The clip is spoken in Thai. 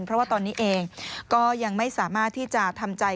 เพราะว่าตอนนี้เองก็ยังไม่สามารถที่จะทำใจ